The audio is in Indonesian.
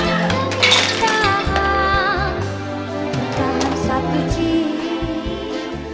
tidak ada yang bisa dikunci